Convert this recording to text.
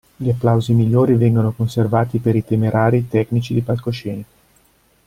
Gli applausi migliori vengono conservati per i temerari tecnici di palcoscenico.